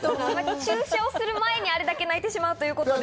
注射をする前にあれだけ鳴いてしまうということで。